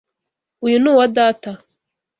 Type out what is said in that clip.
Uyu ni uwa data.